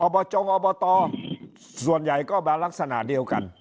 บจงอบตส่วนใหญ่ก็มาลักษณะเดียวกัน